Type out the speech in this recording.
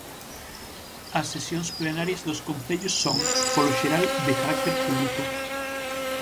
As sesións plenarias dos concellos son, polo xeral, de carácter público.